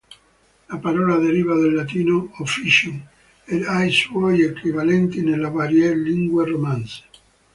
La parola deriva dal latino "officium" ed ai suoi equivalenti nelle varie lingue romanze.